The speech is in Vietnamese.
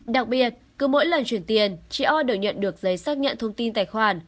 đặc biệt cứ mỗi lần chuyển tiền chị o đều nhận được giấy xác nhận thông tin tài khoản